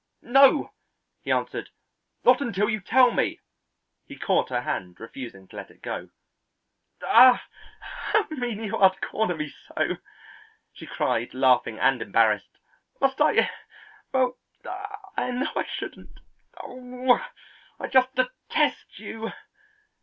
"No," he answered, "not until you tell me!" He caught her hand, refusing to let it go. "Ah, how mean you are to corner me so!" she cried laughing and embarrassed. "Must I well I know I shouldn't. O oh, I just detest you!"